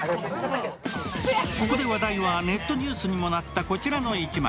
ここで話題はネットニュースにもなったこちらの写真。